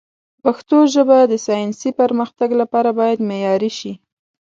پښتو ژبه د ساینسي پرمختګ لپاره باید معیاري شي.